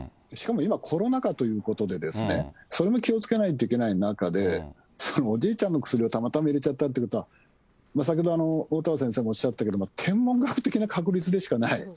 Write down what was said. しかも今、コロナ禍ということで、それも気をつけないといけない中で、そのおじいちゃんの薬をたまたま入れちゃったということは、先ほど、おおたわ先生もおっしゃったけれども、天文学的な確率でしかない。